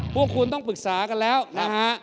พวกคุณต้องปรึกษากันแล้วนะฮะ